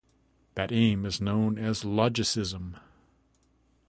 That aim is known as logicism.